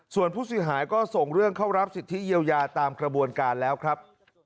ส่วนผู้เสียหายก็ส่งเรื่องเข้ารับสิทธิเยียวยาตามกระบวนการแล้วครับ